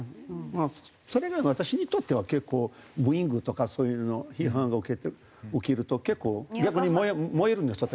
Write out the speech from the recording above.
それが私にとっては結構ブーイングとかそういうの批判が起きると結構逆に燃えるんです私。